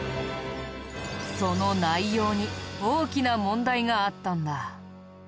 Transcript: その内容に大きな問題があったんだ。